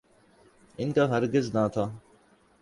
ان کا ہرگز نہ تھا۔